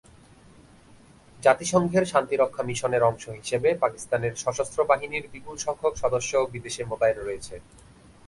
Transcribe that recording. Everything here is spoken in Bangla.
জাতিসংঘের শান্তিরক্ষা মিশনের অংশ হিসেবে পাকিস্তানের সশস্ত্র বাহিনীর বিপুল সংখ্যক সদস্য বিদেশে মোতায়েন রয়েছে।